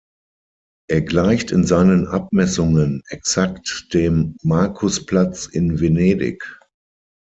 Er gleicht in seinen Abmessungen exakt dem Markusplatz in Venedig.